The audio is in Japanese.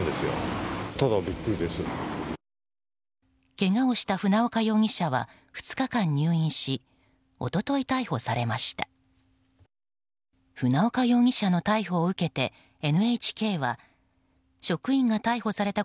けがをした船岡容疑者は２日間入院し一昨日、逮捕されました。